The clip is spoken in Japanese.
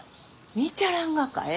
見ちゃらんがかえ？